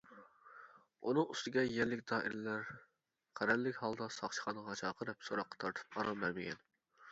ئۇنىڭ ئۈستىگە يەرلىك دائىرىلەر قەرەللىك ھالدا ساقچىخانىغا چاقىرىپ سوراققا تارتىپ ئارام بەرمىگەن.